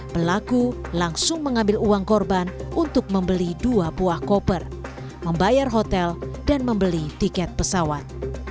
pelaku langsung mengambil uang korban untuk membeli dua buah koper membayar hotel dan membeli tiket pesawat